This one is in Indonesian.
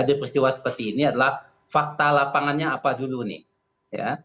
dari peristiwa seperti ini adalah fakta lapangannya apa dulu nih ya